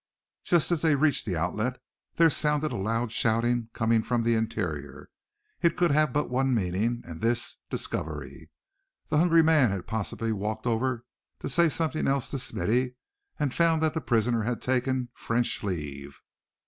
Just as they reached the outlet there sounded a loud shout coming from the interior. It could have but one meaning, and this, discovery. The hungry man had possibly walked over to say something else to Smithy, and found that the prisoner had taken "French leave."